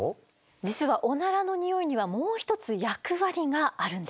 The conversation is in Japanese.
実はオナラのにおいにはもう一つ役割があるんです。